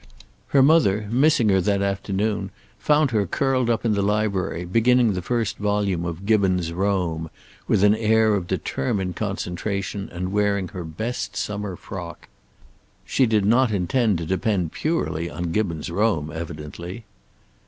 Her mother, missing her that afternoon, found her curled up in the library, beginning the first volume of Gibbon's "Rome" with an air of determined concentration, and wearing her best summer frock. She did not intend to depend purely on Gibbon's "Rome," evidently.